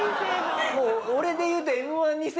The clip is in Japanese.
もう俺で言うと。